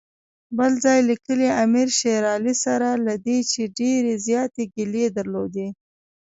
بل ځای لیکي امیر شېر علي سره له دې چې ډېرې زیاتې ګیلې درلودې.